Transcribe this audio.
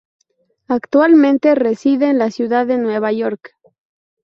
Actualmente reside en la ciudad de Nueva York.